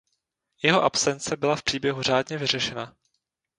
Jeho absence byla v příběhu řádně vyřešena.